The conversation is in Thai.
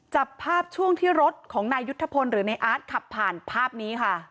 จับภาพช่วงที่รถของนายยุทธพลหรือในอาร์ตขับผ่านภาพนี้ค่ะ